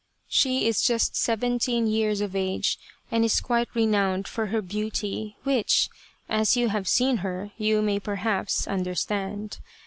She is just seventeen years of age, and is quite renowned for her beauty, which, as you have seen her, you may perhaps understand.